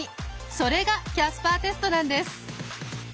それがキャスパーテストなんです。